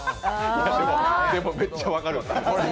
でもめっちゃわかる。